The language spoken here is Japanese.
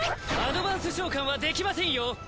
アドバンス召喚はできませんよ。